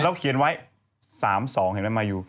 แล้วเขียนไว้๓๒เห็นมั้ยมายู